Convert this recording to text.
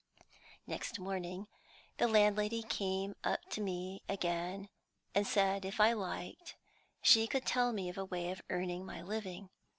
"Next morning the landlady came up to me again, and said, if I liked, she could tell me of a way of earning my living.